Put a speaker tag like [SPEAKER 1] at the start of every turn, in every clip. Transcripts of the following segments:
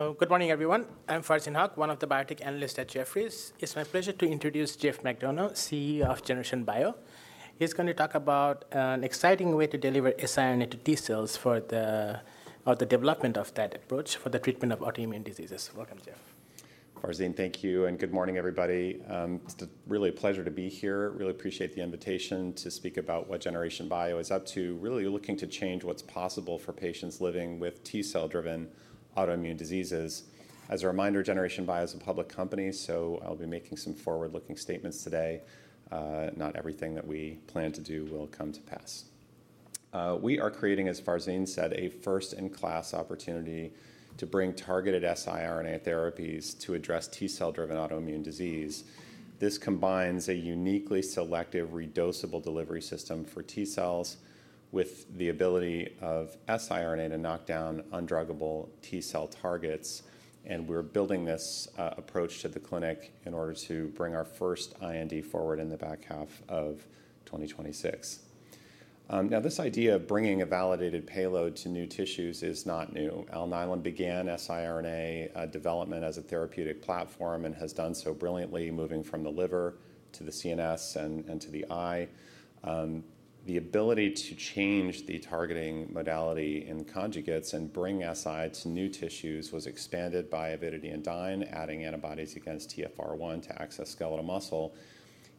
[SPEAKER 1] Good morning, everyone. I'm Farzin Haque, one of the biotech analysts at Jefferies. It's my pleasure to introduce Geoff McDonough, CEO of Generation Bio. He's going to talk about an exciting way to deliver siRNA to T cells for the development of that approach for the treatment of autoimmune diseases. Welcome, Jeff.
[SPEAKER 2] Farzin, thank you. Good morning, everybody. It's really a pleasure to be here. Really appreciate the invitation to speak about what Generation Bio is up to, really looking to change what's possible for patients living with T cell driven autoimmune diseases. As a reminder, Generation Bio is a public company, so I'll be making some forward-looking statements today. Not everything that we plan to do will come to pass. We are creating, as Farzin said, a first-in-class opportunity to bring targeted siRNA therapies to address T cell driven autoimmune disease. This combines a uniquely selective reducible delivery system for T cells with the ability of siRNA to knock down undruggable T cell targets. We're building this approach to the clinic in order to bring our first IND forward in the back half of 2026. This idea of bringing a validated payload to new tissues is not new. Alnylam began siRNA development as a therapeutic platform and has done so brilliantly, moving from the liver to the CNS and to the eye. The ability to change the targeting modality in conjugates and bring siRNA to new tissues was expanded by Arrowhead, adding antibodies against TfR1 to access skeletal muscle.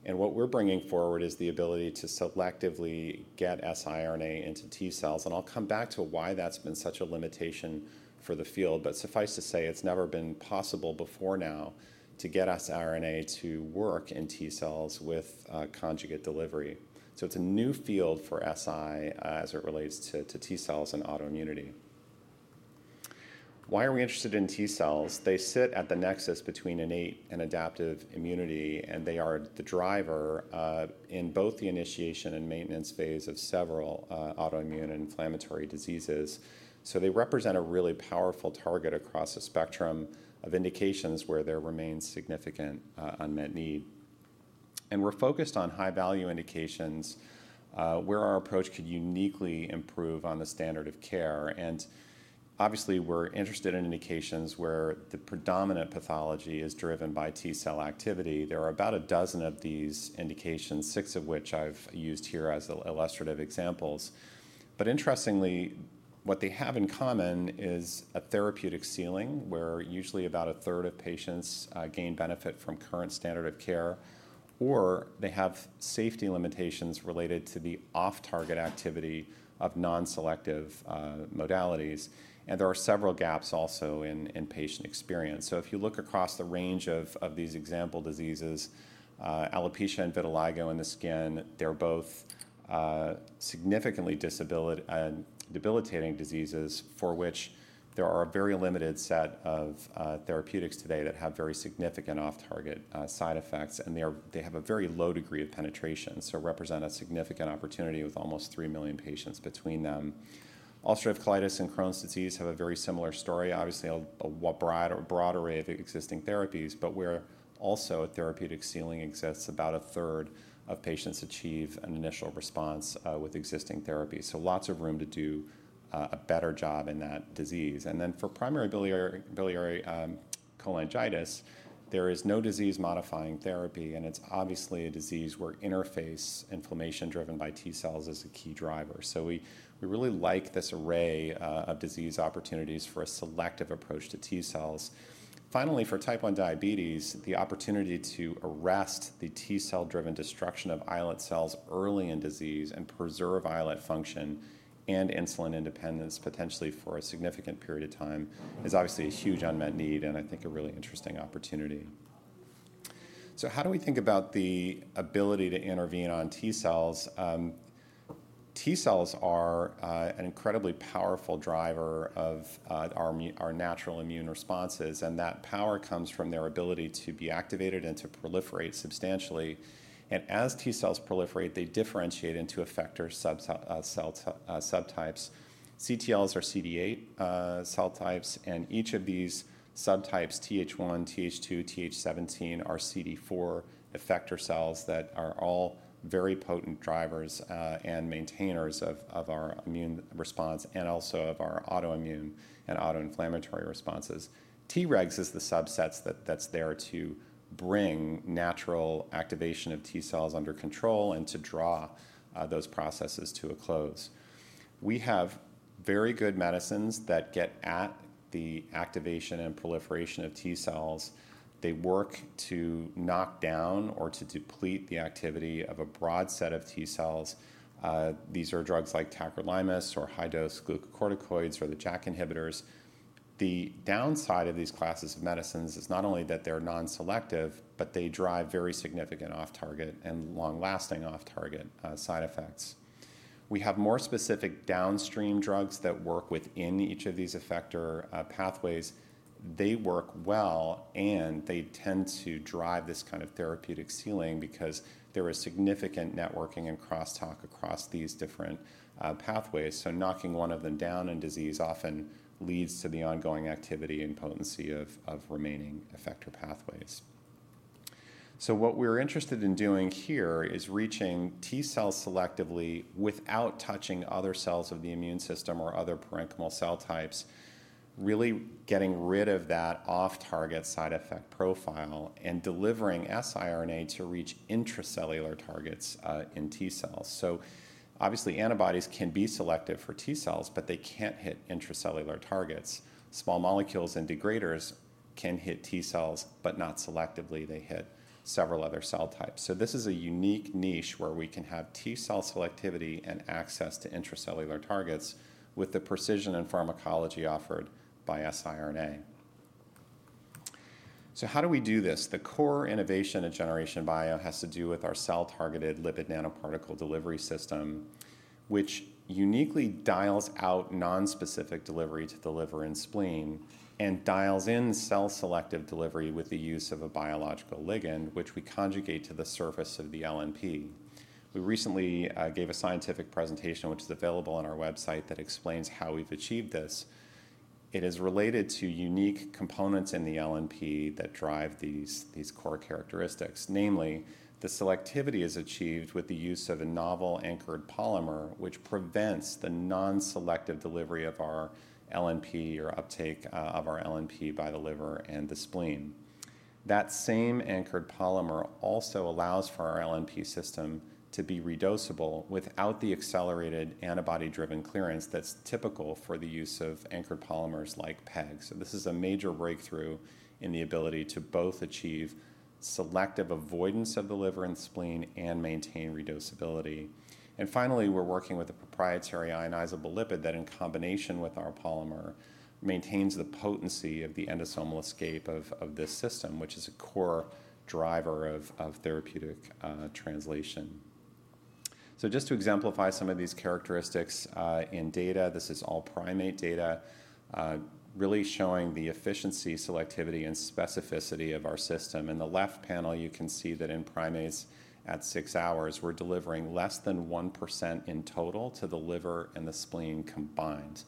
[SPEAKER 2] What we're bringing forward is the ability to selectively get siRNA into T cells. I'll come back to why that's been such a limitation for the field. Suffice to say, it's never been possible before now to get siRNA to work in T cells with conjugate delivery. It's a new field for siRNA as it relates to T cells and autoimmunity. Why are we interested in T cells? They sit at the nexus between innate and adaptive immunity, and they are the driver in both the initiation and maintenance phase of several autoimmune inflammatory diseases. They represent a really powerful target across a spectrum of indications where there remains significant unmet need. We are focused on high-value indications where our approach could uniquely improve on the standard of care. Obviously, we are interested in indications where the predominant pathology is driven by T cell activity. There are about a dozen of these indications, 6 of which I have used here as illustrative examples. Interestingly, what they have in common is a therapeutic ceiling where usually about a third of patients gain benefit from current standard of care, or they have safety limitations related to the off-target activity of non-selective modalities. There are several gaps also in patient experience. If you look across the range of these example diseases, alopecia and vitiligo in the skin, they're both significantly debilitating diseases for which there are a very limited set of therapeutics today that have very significant off-target side effects. They have a very low degree of penetration, so represent a significant opportunity with almost 3 million patients between them. Ulcerative colitis and Crohn's disease have a very similar story, obviously a broader array of existing therapies, but where also a therapeutic ceiling exists, about a third of patients achieve an initial response with existing therapy. Lots of room to do a better job in that disease. For primary biliary cholangitis, there is no disease-modifying therapy. It's obviously a disease where interface inflammation driven by T cells is a key driver. We really like this array of disease opportunities for a selective approach to T cells. Finally, for type 1 diabetes, the opportunity to arrest the T cell driven destruction of islet cells early in disease and preserve islet function and insulin independence potentially for a significant period of time is obviously a huge unmet need and I think a really interesting opportunity. How do we think about the ability to intervene on T cells? T cells are an incredibly powerful driver of our natural immune responses. That power comes from their ability to be activated and to proliferate substantially. As T cells proliferate, they differentiate into effector subtypes, CTLs or CD8 cell types. Each of these subtypes, TH1, TH2, TH17, are CD4 effector cells that are all very potent drivers and maintainers of our immune response and also of our autoimmune and autoinflammatory responses. Tregs is the subset that's there to bring natural activation of T cells under control and to draw those processes to a close. We have very good medicines that get at the activation and proliferation of T cells. They work to knock down or to deplete the activity of a broad set of T cells. These are drugs like tacrolimus or high-dose glucocorticoids or the JAK inhibitors. The downside of these classes of medicines is not only that they're non-selective, but they drive very significant off-target and long-lasting off-target side effects. We have more specific downstream drugs that work within each of these effector pathways. They work well, and they tend to drive this kind of therapeutic ceiling because there is significant networking and crosstalk across these different pathways. Knocking one of them down in disease often leads to the ongoing activity and potency of remaining effector pathways. What we're interested in doing here is reaching T cells selectively without touching other cells of the immune system or other parenchymal cell types, really getting rid of that off-target side effect profile and delivering siRNA to reach intracellular targets in T cells. Obviously, antibodies can be selective for T cells, but they can't hit intracellular targets. Small molecules and degraders can hit T cells, but not selectively. They hit several other cell types. This is a unique niche where we can have T cell selectivity and access to intracellular targets with the precision and pharmacology offered by siRNA. How do we do this? The core innovation of Generation Bio has to do with our cell-targeted lipid nanoparticle delivery system, which uniquely dials out non-specific delivery to the liver and spleen and dials in cell-selective delivery with the use of a biological ligand, which we conjugate to the surface of the LNP. We recently gave a scientific presentation, which is available on our website, that explains how we've achieved this. It is related to unique components in the LNP that drive these core characteristics. Namely, the selectivity is achieved with the use of a novel anchored polymer, which prevents the non-selective delivery of our LNP or uptake of our LNP by the liver and the spleen. That same anchored polymer also allows for our LNP system to be reducible without the accelerated antibody-driven clearance that's typical for the use of anchored polymers like PEG. This is a major breakthrough in the ability to both achieve selective avoidance of the liver and spleen and maintain reducibility. Finally, we're working with a proprietary ionizable lipid that, in combination with our polymer, maintains the potency of the endosomal escape of this system, which is a core driver of therapeutic translation. Just to exemplify some of these characteristics in data, this is all primate data, really showing the efficiency, selectivity, and specificity of our system. In the left panel, you can see that in primates at six hours, we're delivering less than 1% in total to the liver and the spleen combined.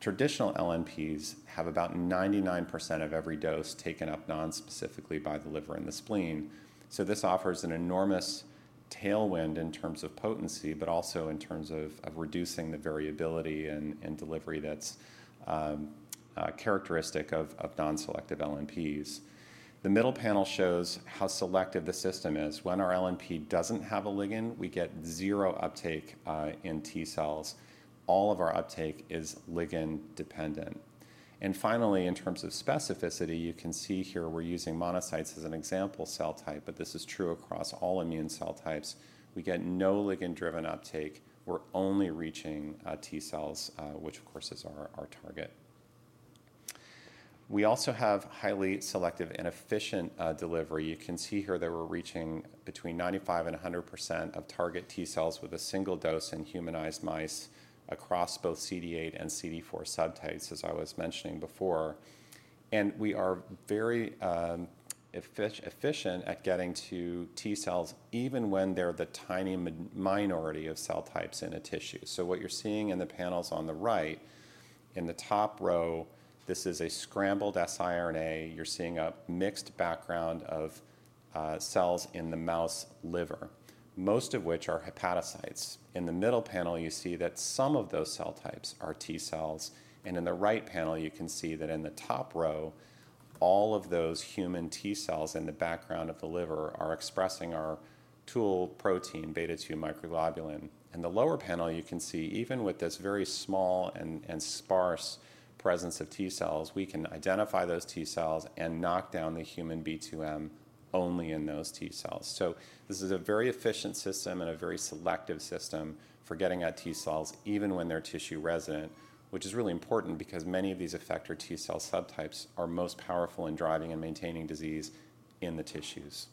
[SPEAKER 2] Traditional LNPs have about 99% of every dose taken up non-specifically by the liver and the spleen. This offers an enormous tailwind in terms of potency, but also in terms of reducing the variability and delivery that's characteristic of non-selective LNPs. The middle panel shows how selective the system is. When our LNP does not have a ligand, we get zero uptake in T cells. All of our uptake is ligand-dependent. Finally, in terms of specificity, you can see here we are using monocytes as an example cell type, but this is true across all immune cell types. We get no ligand-driven uptake. We are only reaching T cells, which, of course, is our target. We also have highly selective and efficient delivery. You can see here that we are reaching between 95%-100% of target T cells with a single dose in humanized mice across both CD8 and CD4 subtypes, as I was mentioning before. We are very efficient at getting to T cells even when they are the tiny minority of cell types in a tissue. What you're seeing in the panels on the right, in the top row, this is a scrambled siRNA. You're seeing a mixed background of cells in the mouse liver, most of which are hepatocytes. In the middle panel, you see that some of those cell types are T cells. In the right panel, you can see that in the top row, all of those human T cells in the background of the liver are expressing our tool protein, beta 2 microglobulin. In the lower panel, you can see even with this very small and sparse presence of T cells, we can identify those T cells and knock down the human B2M only in those T cells. This is a very efficient system and a very selective system for getting at T cells even when they're tissue resident, which is really important because many of these effector T cell subtypes are most powerful in driving and maintaining disease in the tissues.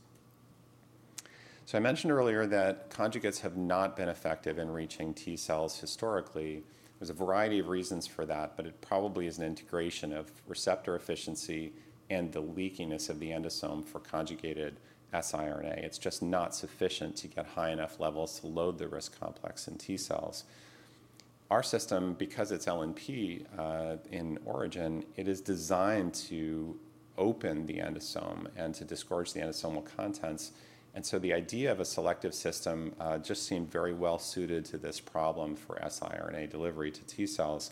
[SPEAKER 2] I mentioned earlier that conjugates have not been effective in reaching T cells historically. There's a variety of reasons for that, but it probably is an integration of receptor efficiency and the leakiness of the endosome for conjugated siRNA. It's just not sufficient to get high enough levels to load the risk complex in T cells. Our system, because it's LNP in origin, is designed to open the endosome and to discourage the endosomal contents. The idea of a selective system just seemed very well suited to this problem for siRNA delivery to T cells.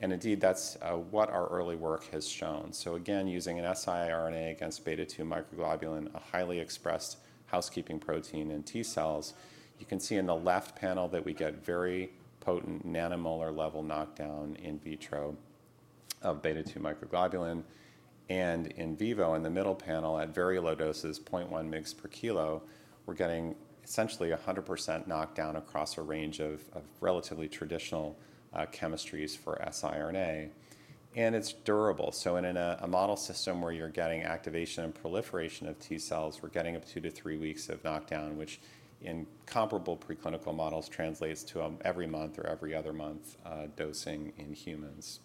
[SPEAKER 2] Indeed, that's what our early work has shown. Again, using an siRNA against beta 2 microglobulin, a highly expressed housekeeping protein in T cells, you can see in the left panel that we get very potent nanomolar level knockdown in vitro of beta 2 microglobulin. In vivo, in the middle panel, at very low doses, 0.1 mg per kilo, we're getting essentially 100% knockdown across a range of relatively traditional chemistries for siRNA. It's durable. In a model system where you're getting activation and proliferation of T cells, we're getting up to two to three weeks of knockdown, which in comparable preclinical models translates to every month or every other month dosing in humans.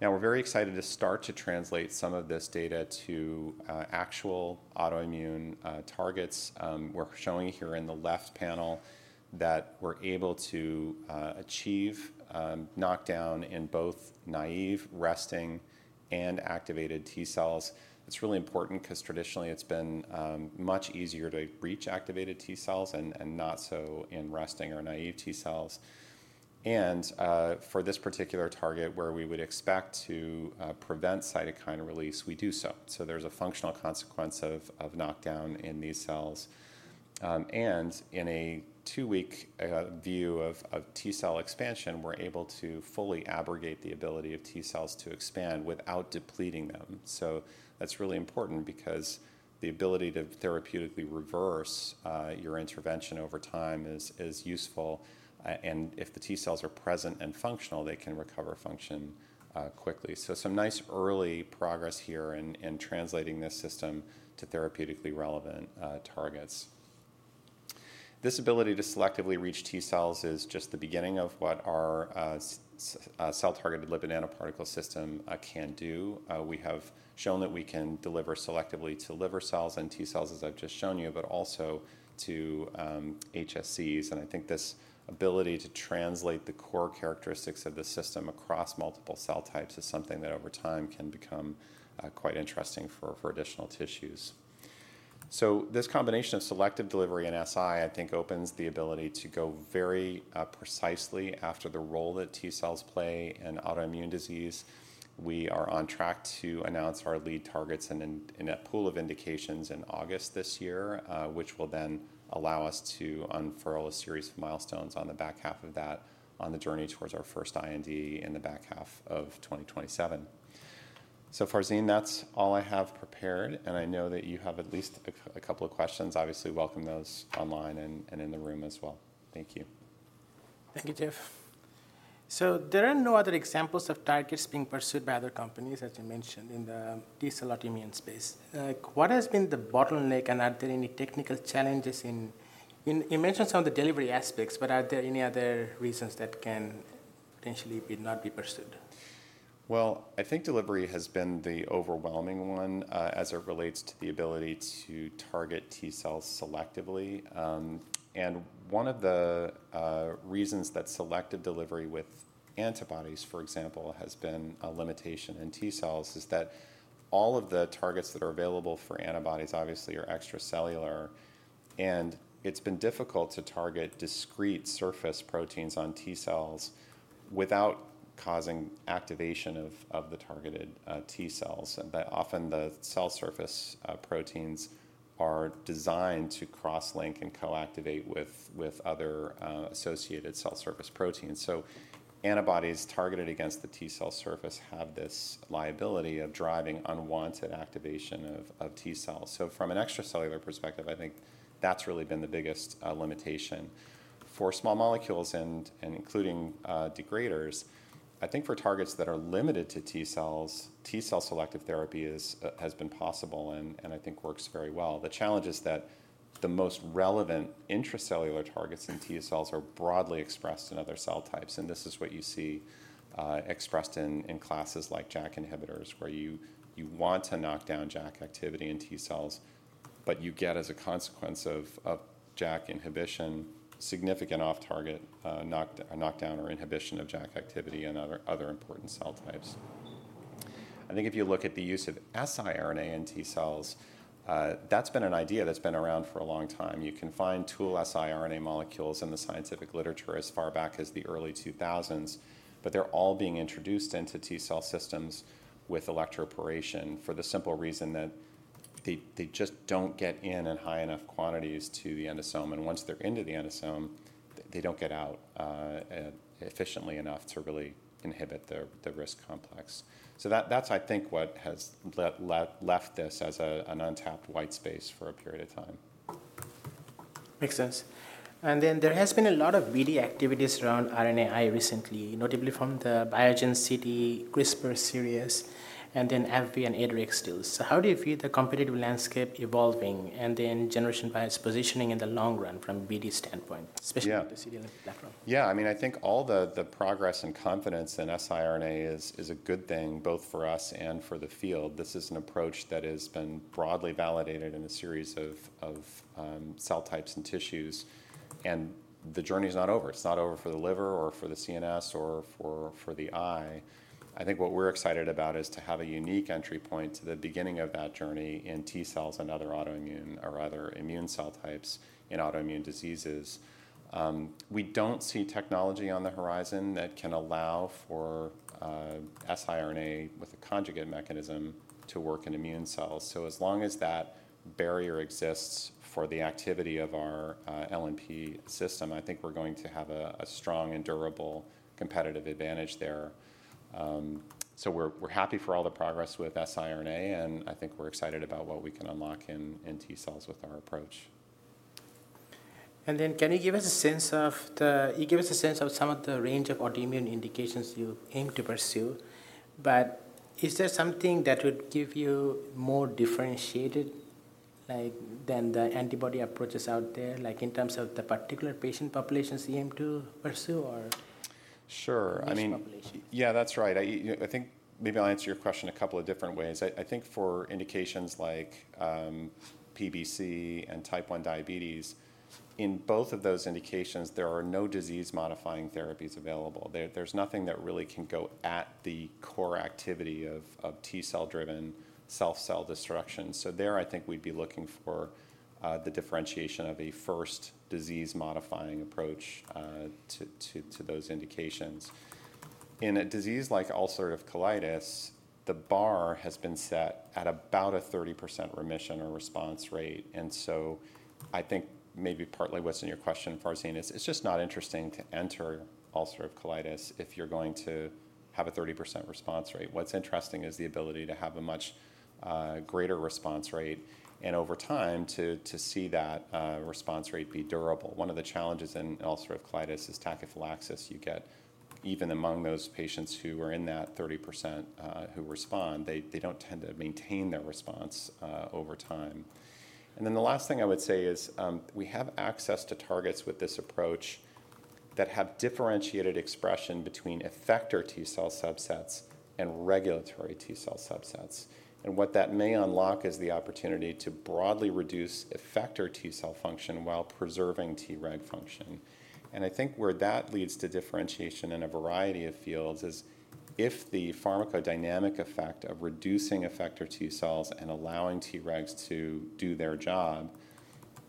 [SPEAKER 2] We're very excited to start to translate some of this data to actual autoimmune targets. We're showing here in the left panel that we're able to achieve knockdown in both naive, resting, and activated T cells. It's really important because traditionally it's been much easier to reach activated T cells and not so in resting or naive T cells. For this particular target, where we would expect to prevent cytokine release, we do so. There's a functional consequence of knockdown in these cells. In a two-week view of T cell expansion, we're able to fully abrogate the ability of T cells to expand without depleting them. That's really important because the ability to therapeutically reverse your intervention over time is useful. If the T cells are present and functional, they can recover function quickly. Some nice early progress here in translating this system to therapeutically relevant targets. This ability to selectively reach T cells is just the beginning of what our cell-targeted lipid nanoparticle system can do. We have shown that we can deliver selectively to liver cells and T cells, as I've just shown you, but also to HSCs. I think this ability to translate the core characteristics of the system across multiple cell types is something that over time can become quite interesting for additional tissues. This combination of selective delivery and SI, I think, opens the ability to go very precisely after the role that T cells play in autoimmune disease. We are on track to announce our lead targets and a pool of indications in August this year, which will then allow us to unfurl a series of milestones on the back half of that on the journey towards our first IND in the back half of 2027. Farzin, that's all I have prepared. I know that you have at least a couple of questions. Obviously, welcome those online and in the room as well. Thank you. Thank you, Jeff. There are no other examples of targets being pursued by other companies, as you mentioned, in the T cell autoimmune space. What has been the bottleneck, and are there any technical challenges in you mentioned some of the delivery aspects, but are there any other reasons that can potentially not be pursued? I think delivery has been the overwhelming one as it relates to the ability to target T cells selectively. One of the reasons that selective delivery with antibodies, for example, has been a limitation in T cells is that all of the targets that are available for antibodies obviously are extracellular. It has been difficult to target discrete surface proteins on T cells without causing activation of the targeted T cells. Often the cell surface proteins are designed to cross-link and co-activate with other associated cell surface proteins. Antibodies targeted against the T cell surface have this liability of driving unwanted activation of T cells. From an extracellular perspective, I think that has really been the biggest limitation. For small molecules and including degraders, I think for targets that are limited to T cells, T cell selective therapy has been possible and I think works very well. The challenge is that the most relevant intracellular targets in T cells are broadly expressed in other cell types. This is what you see expressed in classes like JAK inhibitors, where you want to knock down JAK activity in T cells, but you get, as a consequence of JAK inhibition, significant off-target knockdown or inhibition of JAK activity in other important cell types. I think if you look at the use of siRNA in T cells, that's been an idea that's been around for a long time. You can find tool siRNA molecules in the scientific literature as far back as the early 2000s, but they're all being introduced into T cell systems with electroporation for the simple reason that they just don't get in in high enough quantities to the endosome. Once they're into the endosome, they don't get out efficiently enough to really inhibit the risk complex. I think that is what has left this as an untapped white space for a period of time.
[SPEAKER 1] Makes sense. There has been a lot of BD activities around RNAi recently, notably from the Biogen, CT, CRISPR series, and then AVE and ADRIX stills. How do you view the competitive landscape evolving and Generation Bio's positioning in the long run from a BD standpoint, especially with the CDL platform?
[SPEAKER 2] Yeah, I mean, I think all the progress and confidence in siRNA is a good thing both for us and for the field. This is an approach that has been broadly validated in a series of cell types and tissues. The journey is not over. It's not over for the liver or for the CNS or for the eye. I think what we're excited about is to have a unique entry point to the beginning of that journey in T cells and other autoimmune or other immune cell types in autoimmune diseases. We don't see technology on the horizon that can allow for siRNA with a conjugate mechanism to work in immune cells. As long as that barrier exists for the activity of our LNP system, I think we're going to have a strong and durable competitive advantage there. We're happy for all the progress with siRNA, and I think we're excited about what we can unlock in T cells with our approach.
[SPEAKER 1] Can you give us a sense of the—you gave us a sense of some of the range of autoimmune indications you aim to pursue, but is there something that would give you more differentiated than the antibody approaches out there, like in terms of the particular patient populations you aim to pursue or risk populations?
[SPEAKER 2] Sure. I mean, yeah, that's right. I think maybe I'll answer your question a couple of different ways. I think for indications like PBC and type 1 diabetes, in both of those indications, there are no disease-modifying therapies available. There's nothing that really can go at the core activity of T cell-driven self-cell destruction. There, I think we'd be looking for the differentiation of a first disease-modifying approach to those indications. In a disease like ulcerative colitis, the bar has been set at about a 30% remission or response rate. I think maybe partly what's in your question, Farzin, is it's just not interesting to enter ulcerative colitis if you're going to have a 30% response rate. What's interesting is the ability to have a much greater response rate and over time to see that response rate be durable. One of the challenges in ulcerative colitis is tachyphylaxis. You get even among those patients who are in that 30% who respond, they do not tend to maintain their response over time. The last thing I would say is we have access to targets with this approach that have differentiated expression between effector T cell subsets and regulatory T cell subsets. What that may unlock is the opportunity to broadly reduce effector T cell function while preserving Treg function. I think where that leads to differentiation in a variety of fields is if the pharmacodynamic effect of reducing effector T cells and allowing Tregs to do their job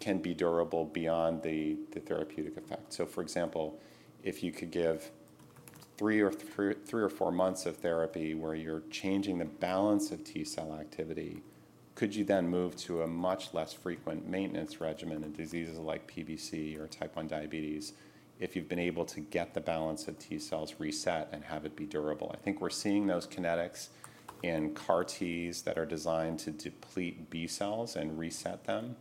[SPEAKER 2] can be durable beyond the therapeutic effect. For example, if you could give three or four months of therapy where you're changing the balance of T cell activity, could you then move to a much less frequent maintenance regimen in diseases like PBC or type 1 diabetes if you've been able to get the balance of T cells reset and have it be durable? I think we're seeing those kinetics in CAR Ts that are designed to deplete B cells and reset them.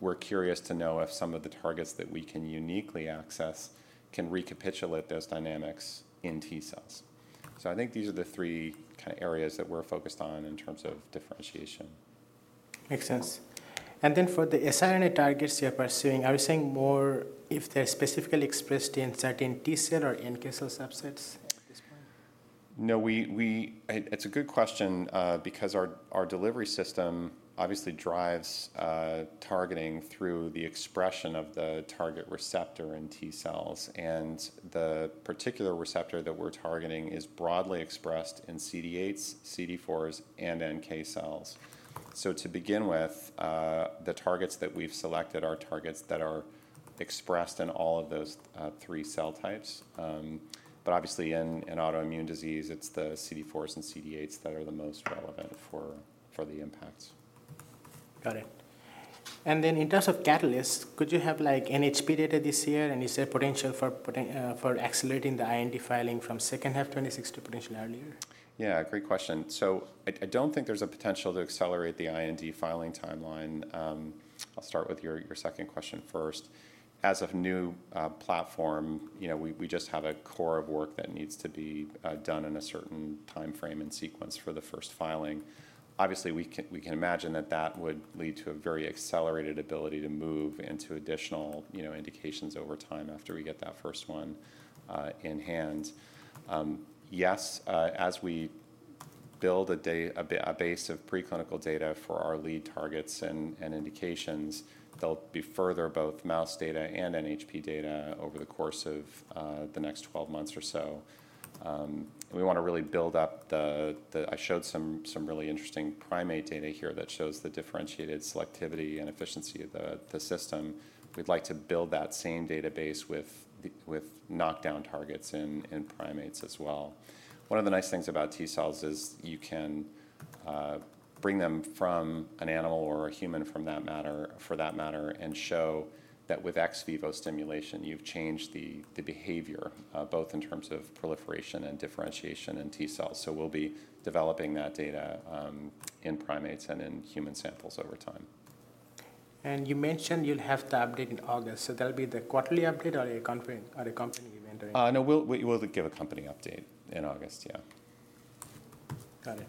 [SPEAKER 2] We're curious to know if some of the targets that we can uniquely access can recapitulate those dynamics in T cells. I think these are the three kind of areas that we're focused on in terms of differentiation.
[SPEAKER 1] Makes sense. For the siRNA targets you're pursuing, are you saying more if they're specifically expressed in certain T cell or NK cell subsets at this point?
[SPEAKER 2] No, it's a good question because our delivery system obviously drives targeting through the expression of the target receptor in T cells. The particular receptor that we're targeting is broadly expressed in CD8s, CD4s, and NK cells. To begin with, the targets that we've selected are targets that are expressed in all of those three cell types. Obviously, in autoimmune disease, it's the CD4s and CD8s that are the most relevant for the impacts. Got it.
[SPEAKER 1] In terms of catalysts, could you have NHP data this year? Is there potential for accelerating the IND filing from second half 2026 to potentially earlier?
[SPEAKER 2] Yeah, great question. I don't think there's a potential to accelerate the IND filing timeline. I'll start with your second question first. As of new platform, we just have a core of work that needs to be done in a certain timeframe and sequence for the first filing. Obviously, we can imagine that that would lead to a very accelerated ability to move into additional indications over time after we get that first one in hand. Yes, as we build a base of preclinical data for our lead targets and indications, there'll be further both mouse data and NHP data over the course of the next 12 months or so. We want to really build up the I showed some really interesting primate data here that shows the differentiated selectivity and efficiency of the system. We'd like to build that same database with knockdown targets in primates as well. One of the nice things about T cells is you can bring them from an animal or a human for that matter and show that with ex vivo stimulation, you've changed the behavior both in terms of proliferation and differentiation in T cells. We will be developing that data in primates and in human samples over time.
[SPEAKER 1] You mentioned you'll have the update in August.
[SPEAKER 2] That will be the company update in August, yeah.
[SPEAKER 1] Got it.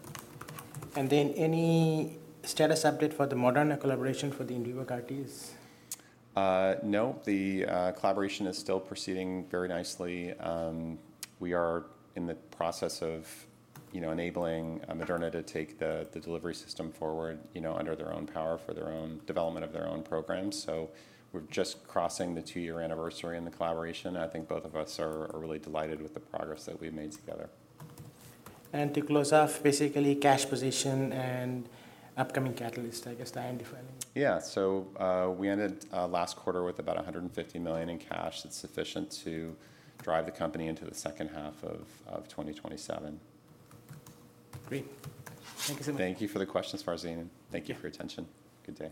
[SPEAKER 1] Any status update for the Moderna collaboration for the in vivo CAR Ts?
[SPEAKER 2] The collaboration is still proceeding very nicely. We are in the process of enabling Moderna to take the delivery system forward under their own power for their own development of their own programs. We are just crossing the two-year anniversary in the collaboration. I think both of us are really delighted with the progress that we've made together.
[SPEAKER 1] To close off, basically, cash position and upcoming catalyst, I guess, the IND filing?
[SPEAKER 2] Yeah. We ended last quarter with about $150 million in cash. It's sufficient to drive the company into the second half of 2027. Great.
[SPEAKER 1] Thank you so much.
[SPEAKER 2] Thank you for the questions, Farzin. Thank you for your attention. Good day.